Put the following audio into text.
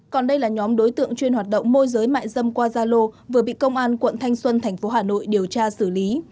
còn đây là nhóm đối tượng chuyên hoạt động môi giới mại dâm qua gia lô vừa bị công an quận thanh xuân tp hà nội điều tra xử lý